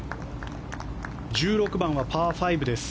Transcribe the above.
１６番はパー５です。